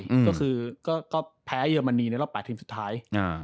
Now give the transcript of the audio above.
ก็คือแพ้เยอร์มันนีในรอบ๘ทีมสุดท้าย